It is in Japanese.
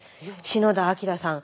篠田昭さん